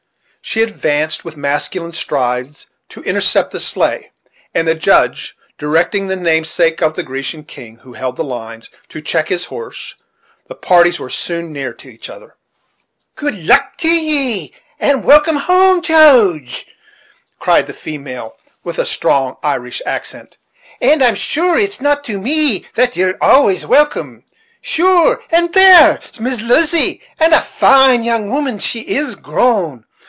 She advanced with masculine strides to intercept the sleigh; and the Judge, directing the namesake of the Grecian king, who held the lines, to check his horse, the parties were soon near to each other. "Good luck to ye, and a welcome home, Jooge," cried the female, with a strong Irish accent; "and I'm sure it's to me that ye're always welcome. Sure! and there's Miss Lizzy, and a fine young woman she is grown.